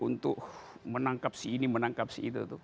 untuk menangkap si ini menangkap si itu